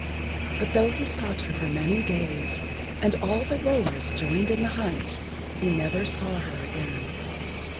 But though he sought her for many days, and all the rowers joined in the hunt, he never saw her again.